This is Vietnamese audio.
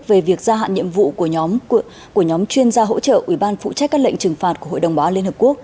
về việc gia hạn nhiệm vụ của nhóm chuyên gia hỗ trợ ủy ban phụ trách các lệnh trừng phạt của hội đồng bảo an liên hợp quốc